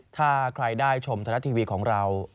ถ้าใครได้ชมทรัฐทีวีของเรา